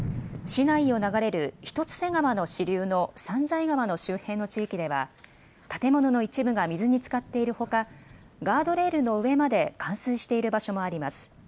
市内を流れる一ツ瀬川の支流の三財川の周辺の地域では建物の一部が水につかっているほかガードレールの上まで冠水している場所もあります。